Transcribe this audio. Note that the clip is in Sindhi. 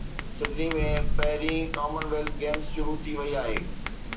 سڊني ۾ پهرين ڪمن ويلٿ گيمز شروع ٿي وئي آهي